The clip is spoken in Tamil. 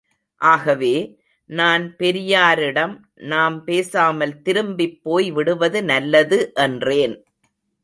ஆகவே, நான் பெரியாரிடம், நாம் பேசாமல் திரும்பிப் போய்விடுவது நல்லது என்றேன்.